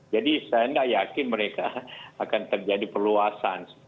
jadi saya tidak yakin mereka akan terjadi perluasan